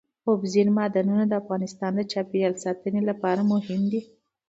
اوبزین معدنونه د افغانستان د چاپیریال ساتنې لپاره مهم دي.